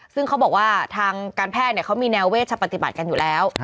ซึ่งเขาบอกว่าทางการแพทย์เขามีแนวเวชปฏิบัติกันอยู่แล้ว